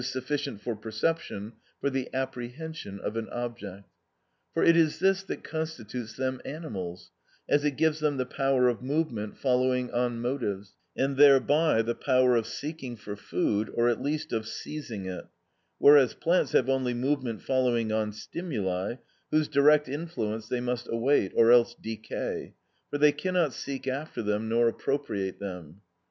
_, sufficient for perception, for the apprehension of an object. For it is this that constitutes them animals, as it gives them the power of movement following on motives, and thereby the power of seeking for food, or at least of seizing it; whereas plants have only movement following on stimuli, whose direct influence they must await, or else decay, for they cannot seek after them nor appropriate them.